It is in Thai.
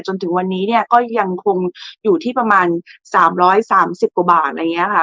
จนถึงวันนี้เนี่ยก็ยังคงอยู่ที่ประมาณ๓๓๐กว่าบาท